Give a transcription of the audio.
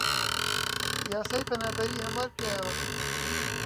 یاسای پەنابەری هەموار کرایەوە